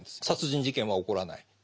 殺人事件は起こらない。